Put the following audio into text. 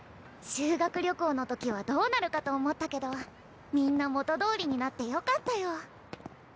修学旅行のときはどうなるかと思ったけどみんな元どおりになってよかったよ